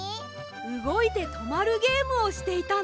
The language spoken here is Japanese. うごいてとまるゲームをしていたんです。